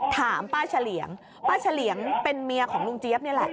ถามป้าเฉลี่ยงป้าเฉลี่ยงเป็นเมียของลุงเจี๊ยบนี่แหละ